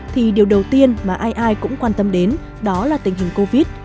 thì điều đầu tiên mà ai ai cũng quan tâm đến đó là tình hình covid